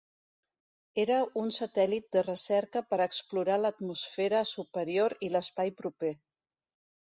Era un satèl·lit de recerca per explorar l'atmosfera superior i l'espai proper.